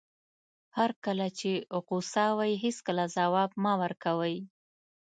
هر کله چې غوسه وئ هېڅکله ځواب مه ورکوئ.